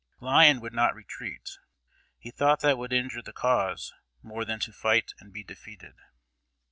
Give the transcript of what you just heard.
Lyon would not retreat. He thought that would injure the Cause more than to fight and be defeated.